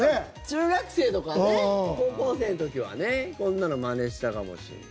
中学生とか高校生の時はねこんなのまねしたかもしれない。